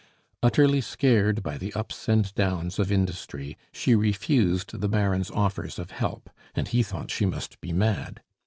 Utterly scared by the ups and downs of industry, she refused the Baron's offers of help, and he thought she must be mad.